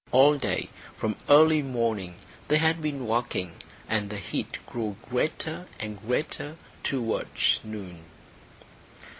All day from early morning they had been walking, and the heat grew greater and greater towards noon.